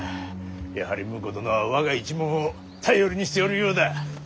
やはり婿殿は我が一門を頼りにしておるようだ。